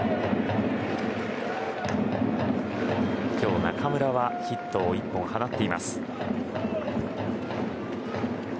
今日、中村はヒットを１本放っています。